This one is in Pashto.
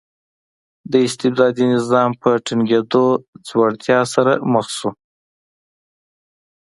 د استبدادي نظام په ټینګېدو ځوړتیا سره مخ شو.